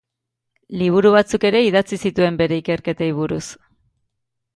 Liburu batzuk ere idatzi zituen bere ikerketei buruz.